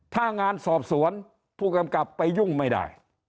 ถ้างานสอบสวนผู้กำกับไปยุ่งไม่ได้